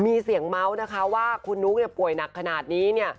มีเสียงเมาส์นะคะว่าคุณนุ๊กป่วยหนักขนาดนี้เนี่ย